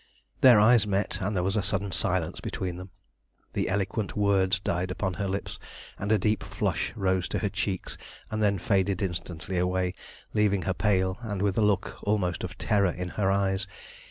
Their eyes met, and there was a sudden silence between them. The eloquent words died upon her lips, and a deep flush rose to her cheeks and then faded instantly away, leaving her pale and with a look almost of terror in her eyes.